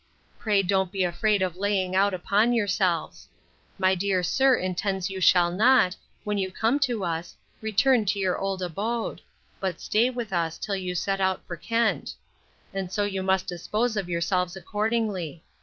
Pray don't be afraid of laying out upon yourselves. My dear sir intends that you shall not, when you come to us, return to your old abode; but stay with us, till you set out for Kent; and so you must dispose of yourselves accordingly.